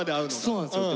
そうなんですよ。